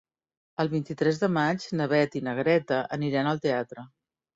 El vint-i-tres de maig na Beth i na Greta aniran al teatre.